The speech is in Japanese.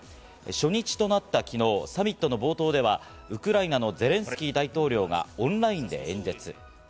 初日となった昨日、サミットの冒頭では、ウクライナのゼレンスキー大統領がオンラインで演説。